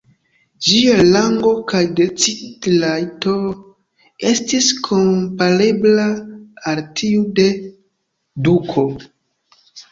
Ĝia rango kaj decid-rajto estis komparebla al tiu de duko.